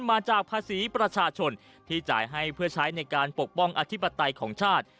มาจากภาษีประชาชนที่จ่ายให้เพื่อใช้ในการปกป้องอธิปไตยของชาติ